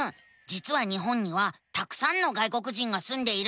じつは日本にはたくさんの外国人がすんでいるのさ。